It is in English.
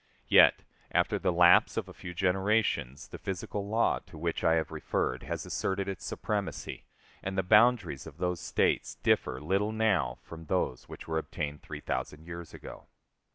Yet, after the lapse of a few generations, the physical law to which I have referred has asserted its supremacy, and the boundaries of those states differ little now from those which were obtained three thousand years ago.